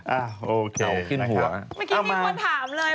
อ่าโอเคนะครับขึ้นหัวเอามาเมื่อกี้มีคนถามเลย